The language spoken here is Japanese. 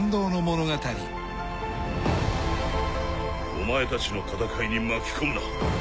お前たちの戦いに巻き込むな。